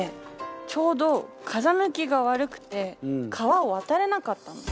ちょうど風向きが悪くて川を渡れなかったの。